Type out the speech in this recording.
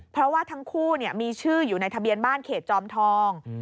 เพราะว่าทั้งคู่มีชื่ออยู่ในทะเบียนบ้านเขตจอมทอง